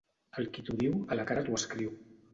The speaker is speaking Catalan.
El qui t'ho diu, a la cara t'ho escriu.